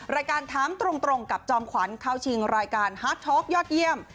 รายการถามตรงกับจอมขวัญเข้าชิงรายการฮาร์ดท็อกยอดเยี่ยม